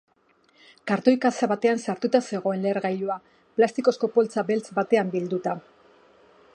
Kartoi kaxa batean sartuta zegoen lehergailua, plastikozko poltsa beltz batean bilduta.